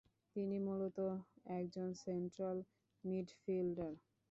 তিনি মূলত একজন সেন্ট্রাল মিডফিল্ডার।